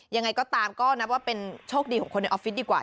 ยังไงก็ตามก็นับว่าเป็นโชคดีของคนในออฟฟิศดีกว่า